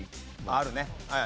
あるね。